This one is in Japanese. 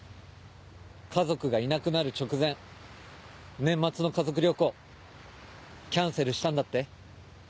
家族がいなくなる直前年末の家族旅行キャンセルしたんだって？